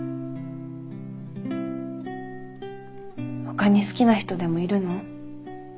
ほかに好きな人でもいるの？